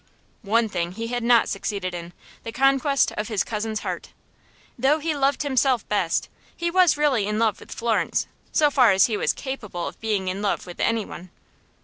One thing he had not succeeded in, the conquest of his cousin's heart. Though he loved himself best, he was really in love with Florence, so far as he was capable of being in love with any one.